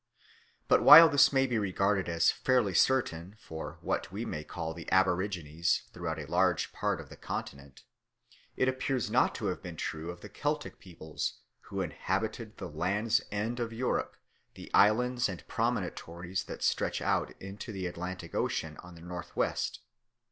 But while this may be regarded as fairly certain for what we may call the aborigines throughout a large part of the continent, it appears not to have been true of the Celtic peoples who inhabited the Land's End of Europe, the islands and promontories that stretch out into the Atlantic Ocean on the North West.